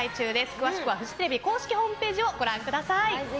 詳しくは、フジテレビ公式ホームページをご覧ください。